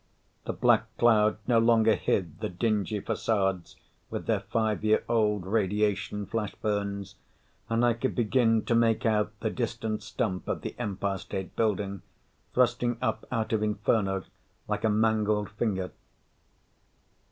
The black cloud no longer hid the dingy facades with their five year old radiation flash burns, and I could begin to make out the distant stump of the Empire State Building, thrusting up out of Inferno like a mangled finger.